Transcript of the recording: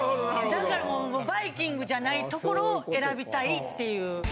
だからもうバイキングじゃないところを選びたいっていう。